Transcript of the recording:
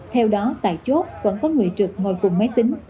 theo đó tại chốt vẫn có người trực ngồi cùng máy tính